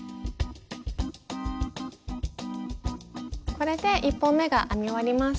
これで１本めが編み終わりました。